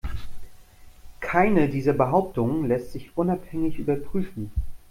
Keine dieser Behauptungen lässt sich unabhängig überprüfen.